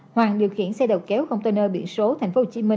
hoàng điều khiển xe đầu kéo container biển số tp hcm